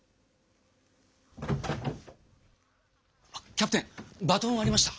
あキャプテンバトンありました？